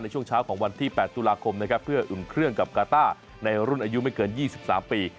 ช่วงเช้าของวันที่๘ตุลาคมนะครับเพื่ออุ่นเครื่องกับกาต้าในรุ่นอายุไม่เกิน๒๓ปี